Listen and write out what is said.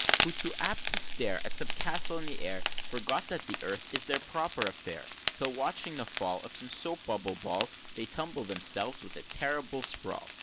Who, too apt to stare At some castle in air, Forget that the earth is their proper affair; Till, watching the fall Of some soap bubble ball, They tumble themselves with a terrible sprawl.